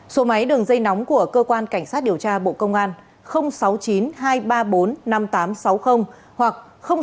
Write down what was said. số máy đường dây nóng của cơ quan cảnh sát điều tra bộ công an sáu mươi chín hai trăm ba mươi bốn năm nghìn tám trăm sáu mươi hoặc sáu mươi chín hai trăm ba mươi hai một nghìn sáu trăm